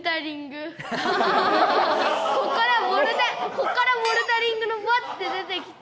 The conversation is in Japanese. こっからボルダリングのバッて出てきて。